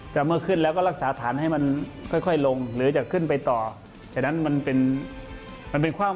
แต่เมื่อขึ้นแล้วก็รักษาฐานให้มันค่อยลงหรือจะขึ้นไปต่อฉะนั้นมันเป็นมันเป็นความ